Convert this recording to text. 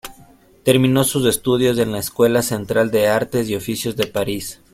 Terminó sus estudios en la Escuela Central de Artes y Oficios de París.